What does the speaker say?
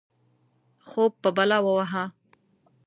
خوب په بلا ووهه.